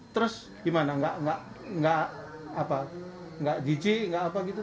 terus gimana nggak nggak apa nggak jijik nggak apa gitu